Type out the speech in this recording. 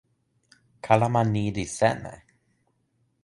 kalama ni li seme?